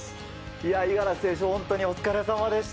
いや、五十嵐選手、本当におお疲れさまです。